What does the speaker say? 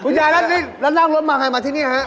ยายแล้วนี่แล้วนั่งรถมาไงมาที่นี่ฮะ